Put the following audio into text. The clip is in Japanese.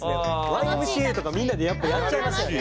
「Ｙ．Ｍ．Ｃ．Ａ．」とかみんなでやっぱやっちゃいますよね。